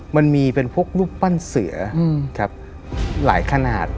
มันมีเป็นพวกรูปปั้นเสือครับหลายขนาด